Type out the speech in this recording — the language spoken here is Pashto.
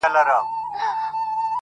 • له وړو لویو مرغانو له تنزرو -